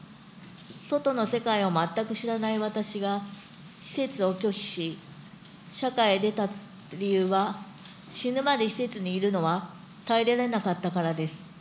外の世界を全く知らない私が、施設を拒否し、社会へ出た理由は、死ぬまで施設にいるのは耐えられなかったからです。